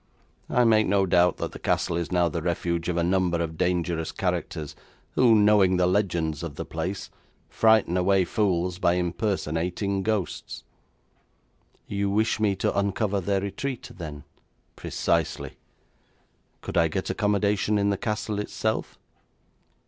I make no doubt that the castle is now the refuge of a number of dangerous characters, who, knowing the legends of the place, frighten away fools by impersonating ghosts.' 'You wish me to uncover their retreat, then?' 'Precisely.' 'Could I get accommodation in the castle itself?'